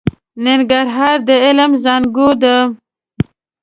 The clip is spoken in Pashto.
ننګرهار د علم زانګو ده.